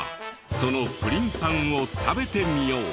そのプリンパンを食べてみよう。